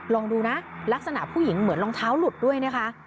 ลองดูนะลักษณะผู้หญิงเหมือนรองเท้าหลุดด้วยนะคะ